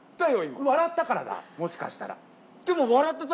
笑ったからだもしかしたら。